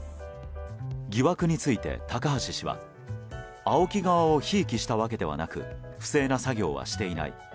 疑惑について高橋氏はＡＯＫＩ側をひいきしたわけではなく不正な作業はしていない。